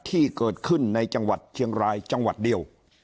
ที่เกิดขึ้นในจังหวัดเชียงรายจังหวัดเดียว